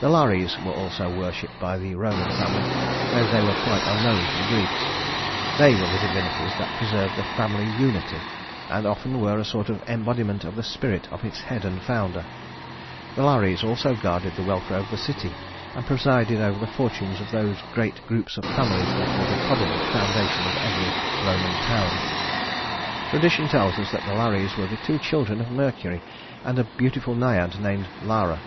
The Lares were also worshiped by the Roman family, though they were quite unknown to the Greeks. They were the divinities that preserved the family unity, and often were a sort of embodiment of the spirit of its head and founder. The Lares also guarded the welfare of the city, and presided over the fortunes of those great groups of families that were the probable foundation of every Roman town. Tradition tells us that the Lares were the two children of Mercury and a beautiful Naiad named Lara.